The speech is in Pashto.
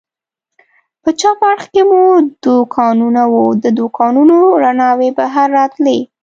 په چپ اړخ کې مو دوکانونه و، د دوکانونو رڼاوې بهر راتلې.